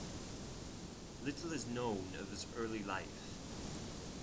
Little is known of his early life.